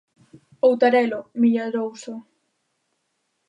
Outarelo, Millarouso.